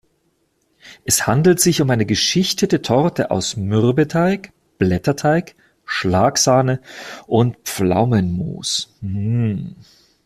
Es handelt sich um eine geschichtete Torte aus Mürbeteig, Blätterteig, Schlagsahne und Pflaumenmus.